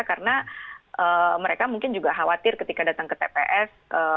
karena mereka mungkin juga khawatir ketika datang ke tps